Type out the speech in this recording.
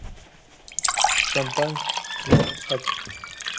Champagnat, la Av.